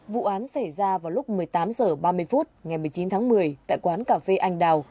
vụ án xảy ra vào lúc một mươi tám h ba mươi phút ngày một mươi chín tháng một mươi tại quán cà phê anh đào